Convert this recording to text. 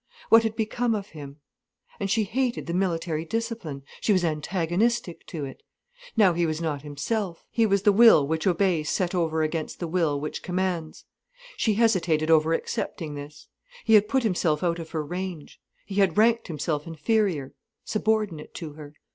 What had become of him? And she hated the military discipline—she was antagonistic to it. Now he was not himself. He was the will which obeys set over against the will which commands. She hesitated over accepting this. He had put himself out of her range. He had ranked himself inferior, subordinate to her.